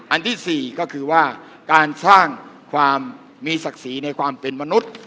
อันที่๔ก็คือว่าการสร้างความมีศักดิ์ศรีในความเป็นมนุษย์